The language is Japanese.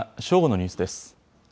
正午のニュースです。